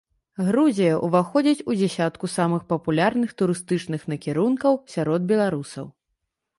Грузія ўваходзіць ў дзясятку самых папулярных турыстычных накірункаў сярод беларусаў.